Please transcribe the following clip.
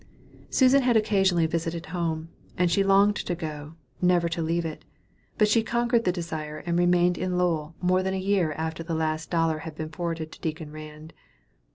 Susan had occasionally visited home, and she longed to go, never to leave it; but she conquered the desire, and remained in Lowell more than a year after the last dollar had been forwarded to Deacon Rand.